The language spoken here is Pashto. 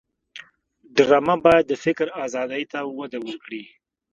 ډرامه باید د فکر آزادۍ ته وده ورکړي